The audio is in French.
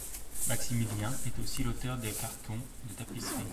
Maximilien est aussi l'auteur de cartons de tapisserie.